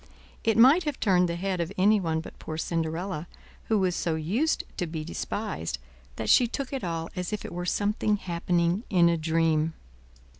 It might have turned the head of anyone but poor Cinderella, who was so used to be despised, that she took it all as if it were something happening in a dream.